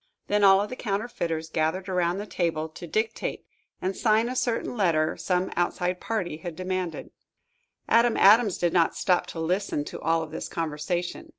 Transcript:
Then all of the counterfeiters gathered around a table, to dictate and sign a certain letter some outside party had demanded. Adam Adams did not stop to listen to all of this conversation.